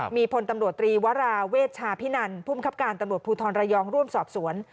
มีพลตำรวจตรีวราเวชชาพินันภูมิคับการตำรวจภูทรระยองร่วมสอบสวน